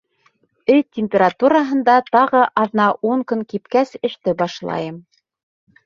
Өй температураһында тағы аҙна-ун көн кипкәс, эште башлайым.